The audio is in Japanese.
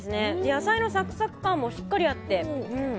野菜のサクサク感もしっかりあって。